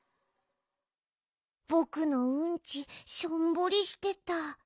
ぼくのうんちしょんぼりしてた。